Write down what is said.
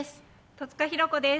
戸塚寛子です。